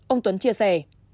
ông tuấn chia sẻ